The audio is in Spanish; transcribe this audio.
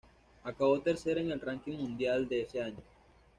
Acabó tercera en el ranking mundial de ese año.